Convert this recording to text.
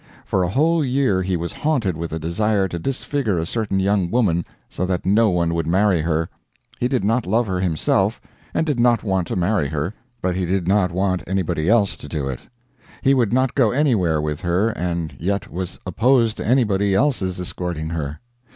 For a whole year he was haunted with a desire to disfigure a certain young woman, so that no one would marry her. He did not love her himself, and did not want to marry her, but he did not want anybody else to do it. He would not go anywhere with her, and yet was opposed to anybody else's escorting her.